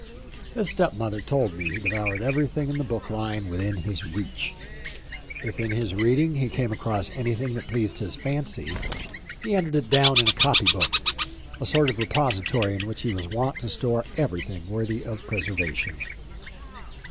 His step mother told me he devoured everything in the book line within his reach. If in his reading he came across anything that pleased his fancy, he entered it down in a copy book — a sort of repository, in which he was wont to store everything worthy of preserva tion.